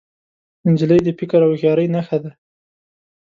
نجلۍ د فکر او هوښیارۍ نښه ده.